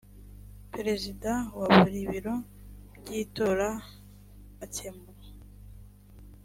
perezida wa buri biro by itora akemura